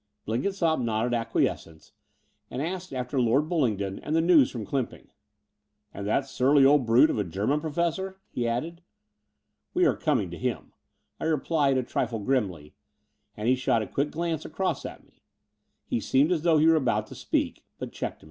Blenkinsopp nodded acquiescence, and asked after Lord Bullingdon and the news from Cljmiping. "And that surly old brute of a German Pro fessor?" he added. "We are coming to him," I replied, a trifle grimly: and he shot a quick glance across at me. He seemed as though he were about to speak, but checked himself.